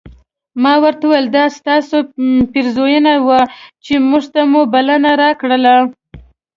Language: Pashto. ما ورته وویل دا ستاسو پیرزوینه وه چې موږ ته مو بلنه راکړله.